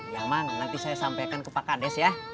ya mang nanti saya sampaikan ke pak kades ya